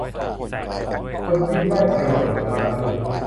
คนยิ่งได้ประโยชน์จำนวนมากขึ้น